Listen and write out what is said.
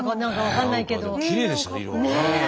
きれいでしたね色がね。